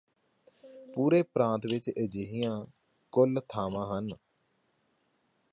ਪੂਰੇ ਪ੍ਰਾਂਤ ਵਿਚ ਅਜਿਹੀਆਂ ਕੁਲ ਥਾਵਾਂ ਹਨ